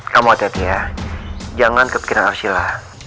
kamu hati hati ya jangan kepikiran arsila